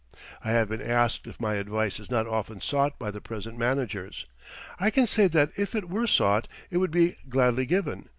I have been asked if my advice is not often sought by the present managers. I can say that if it were sought it would be gladly given.